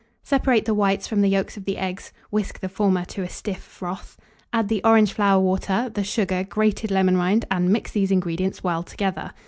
Separate the whites from the yolks of the eggs whisk the former to a stiff froth; add the orange flower water, the sugar, grated lemon rind, and mix these ingredients well together.